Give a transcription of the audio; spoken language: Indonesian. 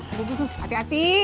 aduh duduk hati hati